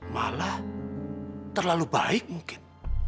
malah terlalu baik mungkin